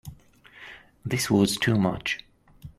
This was too much.